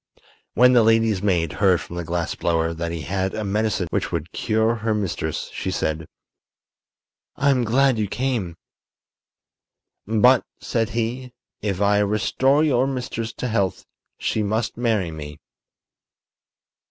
When the lady's maid heard from the glass blower that he had a medicine which would cure her mistress, she said: "I'm glad you came." "But," said he, "if I restore your mistress to health she must marry me."